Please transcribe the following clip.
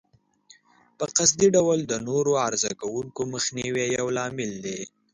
په قصدي ډول د نورو عرضه کوونکو مخنیوی یو لامل دی.